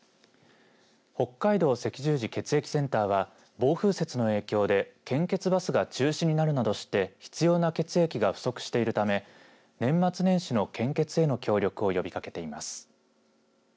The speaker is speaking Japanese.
北海道赤十字血液センターは暴風雪の影響で献血バスが中止になるなどして必要な血液が不足しているため年末年始の献血への協力を呼びかけています。